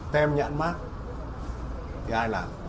tem nhẵn mắt thì ai làm